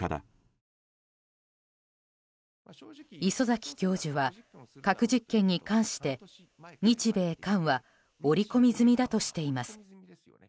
礒崎教授は核実験に関して日米韓は織り込み済みだとしています。